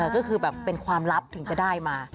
ก็คือแบบเป็นความลับถึงจะได้มา